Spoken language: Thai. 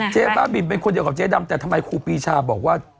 บ้าบินเป็นคนเดียวกับเจ๊ดำแต่ทำไมครูปีชาบอกว่า